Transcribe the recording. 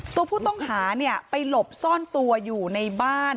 ตัวผู้ต้องหาไปหลบซ่อนตัวอยู่ในบ้าน